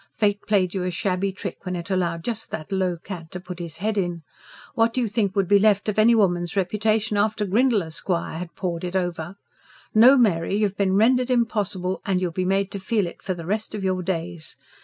Fate played you a shabby trick when it allowed just that low cad to put his head in. What do you think would be left of any woman's reputation after Grindle Esquire had pawed it over? No, Mary, you've been rendered impossible; and you'll be made to feel it for the rest of your days.